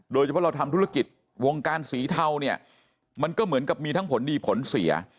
โดยเฉพาะเราทำธุรกิจวงการสีเทาเนี่ยมันก็เหมือนกับมีทั้งผลดีผลเสีย